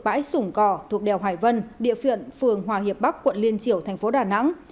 bãi sủng cỏ thuộc đèo hải vân địa phận phường hòa hiệp bắc quận liên triểu thành phố đà nẵng